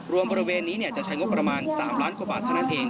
บริเวณนี้จะใช้งบประมาณ๓ล้านกว่าบาทเท่านั้นเอง